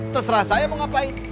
terserah saya mau ngapain